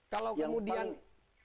kalau kemudian ya